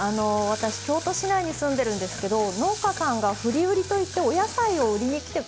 私京都市内に住んでるんですけど農家さんが「振り売り」といってお野菜を売りに来てくれるんですね。